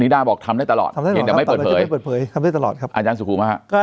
นิดาบอกทำได้ตลอดเห็นแหละไม่เปิดเพยร์ตอาจารย์สุภูมิว่าครับ